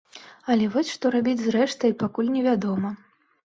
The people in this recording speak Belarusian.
Але вось што рабіць з рэштай, пакуль невядома.